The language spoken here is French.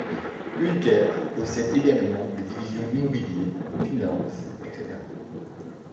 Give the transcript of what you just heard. Ülker possède également des divisions immobilier, finance, etc.